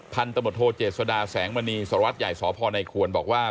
พันธมโทเจษฎาแสงมณีสวัสดิ์ใหญ่สพนควรบอกว่า